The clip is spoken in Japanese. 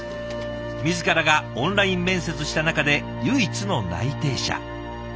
自らがオンライン面接した中で唯一の内定者。